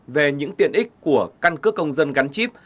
về những tiện ích của căn cước công dân gắn chip